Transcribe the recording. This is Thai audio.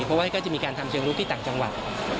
เพราะว่าก็จะมีการทำเชิงลุกที่ต่างจังหวัด